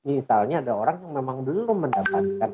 misalnya ada orang yang memang belum mendapatkan